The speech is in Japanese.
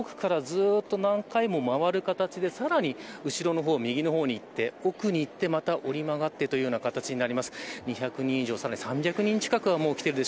その奥からずっと何回も回る形でさらに後ろの方、右の方に行って奥に行って、折り曲がってというような形です。